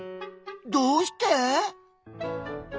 どうして？